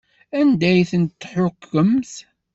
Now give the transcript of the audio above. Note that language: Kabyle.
Anda ay tent-tḥukkemt?